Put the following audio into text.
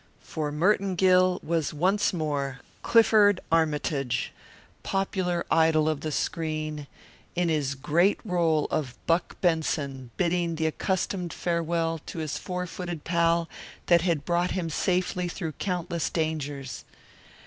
For Merton Gill was once more Clifford Armytage, popular idol of the screen, in his great role of Buck Benson bidding the accustomed farewell to his four footed pal that had brought him safely through countless dangers.